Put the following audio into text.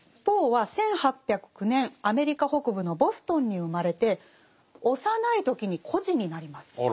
ポーは１８０９年アメリカ北部のボストンに生まれて幼い時に孤児になります。